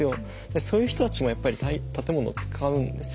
そういう人たちもやっぱり建物を使うんですよ。